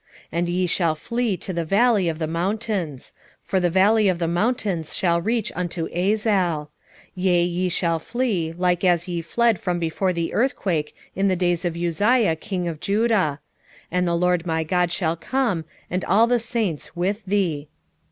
14:5 And ye shall flee to the valley of the mountains; for the valley of the mountains shall reach unto Azal: yea, ye shall flee, like as ye fled from before the earthquake in the days of Uzziah king of Judah: and the LORD my God shall come, and all the saints with thee.